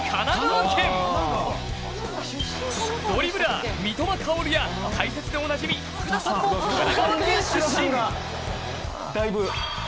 ドリブラー・三笘薫や解説でおなじみ福田さんも神奈川県出身。